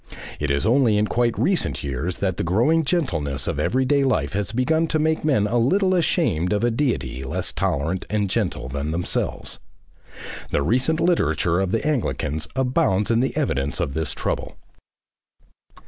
It is only in quite recent years that the growing gentleness of everyday life has begun to make men a little ashamed of a Deity less tolerant and gentle than themselves. The recent literature of the Anglicans abounds in the evidence of this trouble.